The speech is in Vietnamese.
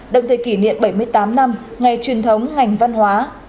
đồng thời kỷ niệm bảy mươi tám năm ngày truyền thống ngành văn hóa